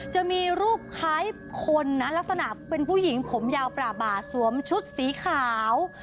จะมีรูปคล้ายคนนะลักษณะเป็นผู้หญิงผมยาวประบาสวมชุดสีขาว